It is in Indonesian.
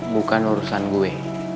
bukan urusan gue